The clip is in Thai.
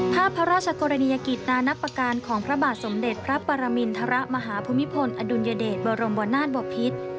พระราชกรณียกิจนานับประการของพระบาทสมเด็จพระปรมินทรมาฮภูมิพลอดุลยเดชบรมนาศบพิษ